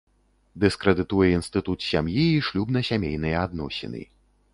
Дыскрэдытуе інстытут сям'і і шлюбна-сямейныя адносіны.